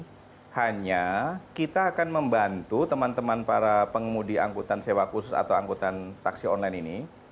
jadi hanya kita akan membantu teman teman para pengemudi angkutan sewa khusus atau angkutan taksi online ini